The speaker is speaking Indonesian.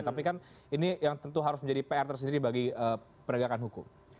tapi kan ini yang tentu harus menjadi pr tersendiri bagi penegakan hukum